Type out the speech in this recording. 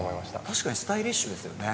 確かにスタイリッシュですよね。